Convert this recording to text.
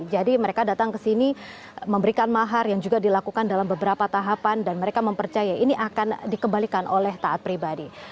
jadi mereka datang kesini memberikan mahar yang juga dilakukan dalam beberapa tahapan dan mereka mempercaya ini akan dikembalikan oleh taat pribadi